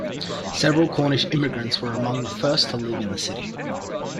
Several Cornish immigrants were among the first to live in the city.